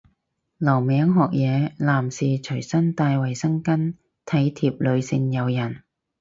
留名學嘢，男士隨身帶衛生巾體貼女性友人